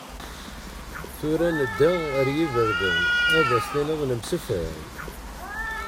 Tura, nedda ar yiberdan, Ad as-tiniḍ nemsefham.